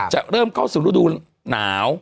จะเริ่มเข้าสู่ฤดูหนาว